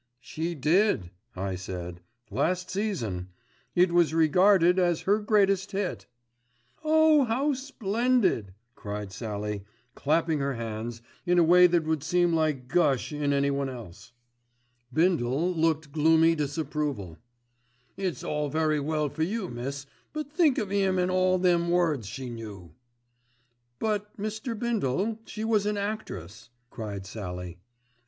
"She did," I said, "last season. It was regarded as her greatest hit." "Oh! how splendid," cried Sallie, clapping her hands in a way that would seem like gush in anyone else. Bindle looked gloomy disapproval. "It's all very well for you miss, but think of 'im an' all them words she knew." "But, Mr. Bindle, she was an actress," cried Sallie.